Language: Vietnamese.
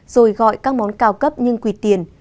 rồi gọi các món cao cấp nhưng quỳ tiền